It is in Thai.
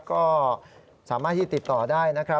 ก็สามารถที่ติดต่อได้นะครับ